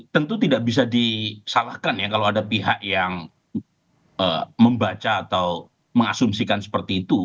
tentu tidak bisa disalahkan ya kalau ada pihak yang membaca atau mengasumsikan seperti itu